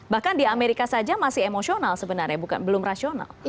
bahkan di amerika saja masih emosional sebenarnya bukan belum rasional